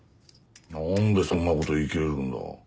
何でそんなこと言い切れるんだ？